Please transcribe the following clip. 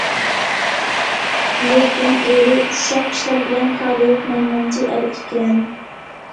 لېكىن ئېرى ئۇششاق ئىشلار بىلەن كارى يوق مەنمەنچى ئەر ئىكەن.